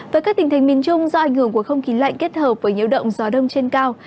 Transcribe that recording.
với các tỉnh thành miền trung do ảnh hưởng của không khí lạnh kết hợp với nhiễu động gió đông trên cao